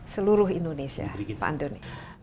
seluruh indonesia pak andri